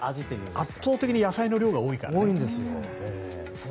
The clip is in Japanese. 圧倒的に野菜の量が多いからね。